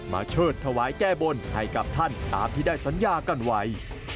เชิดถวายแก้บนให้กับท่านตามที่ได้สัญญากันไว้